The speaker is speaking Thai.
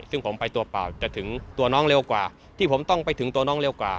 ซึ่งผมไปตัวเปล่าจะถึงตัวน้องเร็วกว่าที่ผมต้องไปถึงตัวน้องเร็วกว่า